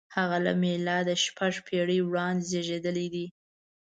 • هغه له مېلاده شپږ پېړۍ وړاندې زېږېدلی دی.